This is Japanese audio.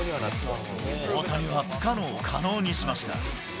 大谷は不可能を可能にしました。